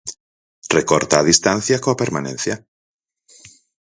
Recorta a distancia coa permanencia.